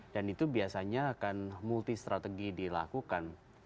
dan itu biasanya akan multi strategi dilakukan